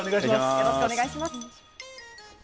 よろしくお願いします。